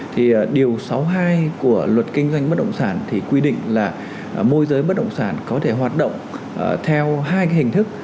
thì điều sáu mươi hai của luật kinh doanh bất động sản thì quy định là môi giới bất động sản có thể hoạt động theo hai cái hình thức